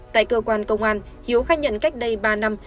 tại cơ quan công an hiếu khai nhận cách đây ba năm